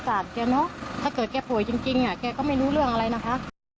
แกเนอะถ้าเกิดแกป่วยจริงแกก็ไม่รู้เรื่องอะไรนะคะ